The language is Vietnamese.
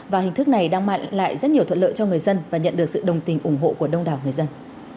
và hình thức này đang mang lại rất nhiều thuận lợi cho người dân và nhận được sự đồng tình ủng hộ của đông đảo người dân